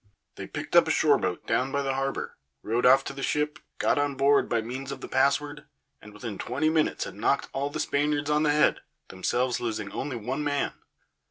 They picked up a shore boat down by the harbour, rowed off to the ship, got on board by means of the password, and within twenty minutes had knocked all the Spaniards on the head, themselves losing only one man.